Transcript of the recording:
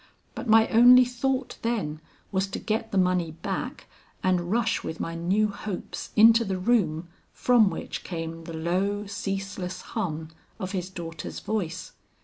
But my only thought then, was to get the money back and rush with my new hopes into the room from which came the low ceaseless hum of his daughter's voice.